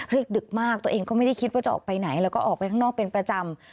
เรียกดึกมากตัวเองก็ไม่ได้คิดว่าจะออกไปไหนแล้วก็ออกไปข้างนอกเป็นประจำ